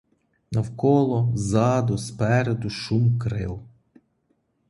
Навколо, ззаду, спереду шум крил.